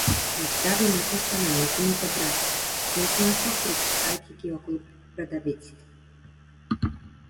Ја зграби мекоста на нејзините гради, несмасно пристискајќи ги околу брадавиците.